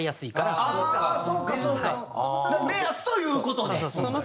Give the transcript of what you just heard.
目安という事で？